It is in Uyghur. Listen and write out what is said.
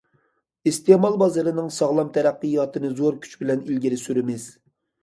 ئىستېمال بازىرىنىڭ ساغلام تەرەققىياتىنى زور كۈچ بىلەن ئىلگىرى سۈرىمىز.